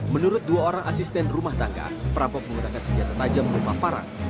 menurut dua orang asisten rumah tangga perampok menggunakan senjata tajam rumah parang